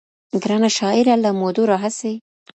ګرانه شاعره له مودو راهسي